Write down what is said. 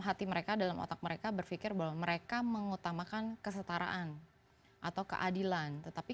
hati mereka dalam otak mereka berpikir bahwa mereka mengutamakan kesetaraan atau keadilan tetapi